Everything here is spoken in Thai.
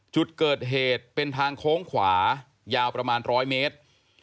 จุดเกิดเหตุเป็นทางโค้งขวายาวประมาณ๑๐๐เมตร